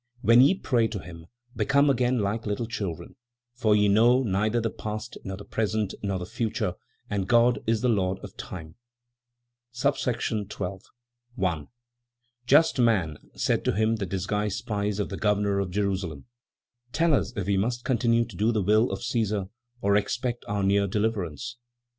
"When ye pray to him, become again like little children, for ye know neither the past, nor the present, nor the future, and God is the Lord of Time." XII. 1. "Just man," said to him the disguised spies of the Governor of Jerusalem, "tell us if we must continue to do the will of Cæsar, or expect our near deliverance?"